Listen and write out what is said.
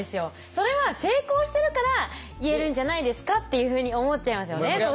それは成功してるから言えるんじゃないですかっていうふうに思っちゃいますよねどうしても。